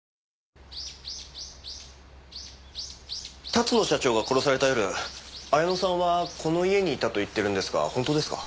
龍野社長が殺された夜彩乃さんはこの家にいたと言ってるんですが本当ですか？